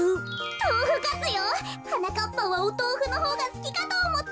とうふカツよ！はなかっぱんはおとうふのほうがすきかとおもって！